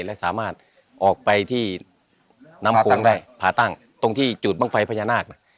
และสามารถออกไปที่น้ำโขงได้ผ่าตั้งตรงที่จุดบ้างไฟพญานาคนะ